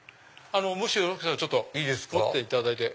もしよろしければ持っていただいて。